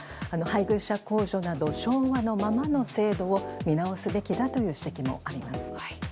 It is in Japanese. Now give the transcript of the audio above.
配偶者控除など昭和のままの制度を見直すべきだという指摘もあります。